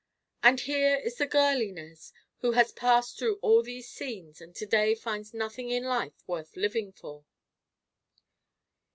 And here is the girl, Inez, who has passed through all these scenes and to day finds nothing in life worth living for."